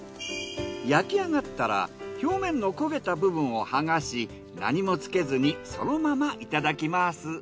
焼き上がったら表面の焦げた部分を剥がし何もつけずにそのままいただきます。